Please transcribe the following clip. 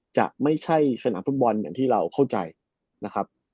จะไม่ใช่สนามฟุตบอลอย่างที่เราเข้าใจนะครับ